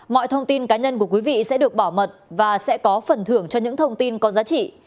mọi thông tin cá nhân của quý vị sẽ được bảo mật và sẽ có phần thưởng cho những thông tin có giá trị